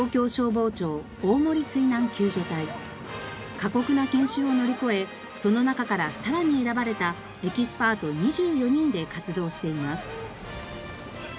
過酷な研修を乗り越えその中からさらに選ばれたエキスパート２４人で活動しています。